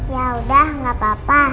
ya udah nggak apa apa